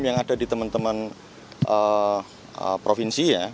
yang ada di teman teman provinsi ya